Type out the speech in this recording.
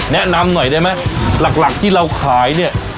แนะนำหน่อยได้ไหมหลักที่เราขายเนี่ย